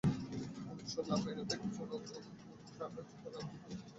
উম, শুনলাম মেনুতে কিছু নতুন, ট্রাফেলযুক্ত খাবার যোগ হয়েছে?